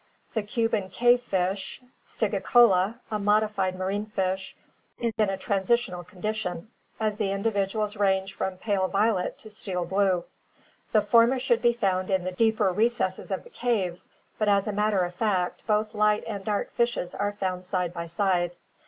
The Cuban cave fish, Stygicola, a modified marine fish, is in a transitional condition, as the individuals range from pale violet to steel blue. The former should be found in the deeper recesses of the caves but as a matter of fact both light and dark fishes are found side by side.